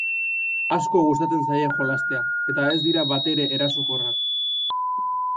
Asko gustatzen zaie jolastea eta ez dira batere erasokorrak.